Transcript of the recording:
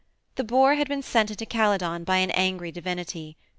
That boar had been sent into Calydon by an angry divinity.